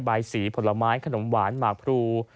ใบสีผลไม้ขนมหวานหมากพรู